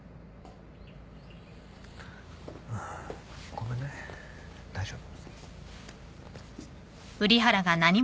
ごめんね大丈夫？